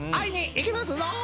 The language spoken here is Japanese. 行きます！